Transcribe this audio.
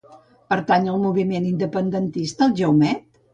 Pertany al moviment independentista el Jaumet?